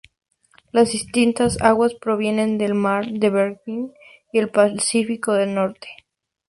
Las distintas aguas provienen del Mar de Bering y el Pacífico del Norte.